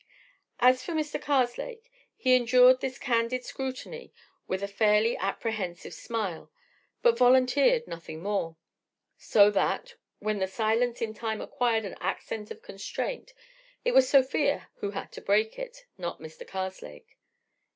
As for Mr. Karslake, he endured this candid scrutiny with a faintly apprehensive smile, but volunteered nothing more; so that, when the silence in time acquired an accent of constraint, it was Sofia who had to break it, not Mr. Karslake.